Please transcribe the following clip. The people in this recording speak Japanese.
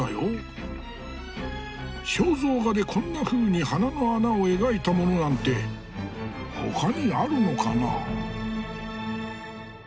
肖像画でこんなふうに鼻の穴を描いたものなんて他にあるのかな。